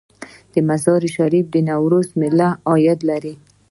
د مزار شریف د نوروز میله عاید لري؟